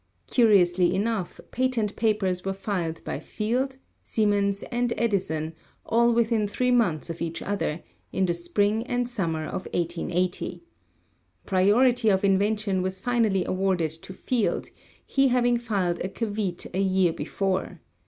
Curiously enough, patent papers were filed by Field, Siemens and Edison, all within three months of each other, in the spring and summer of 1880. Priority of invention was finally awarded to Field, he having filed a caveat a year before.